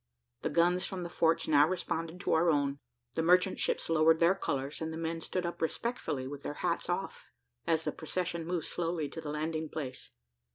The guns from the forts now responded to our own. The merchant ships lowered their colours, and the men stood up respectfully with their hats off, as the procession moved slowly to the landing place.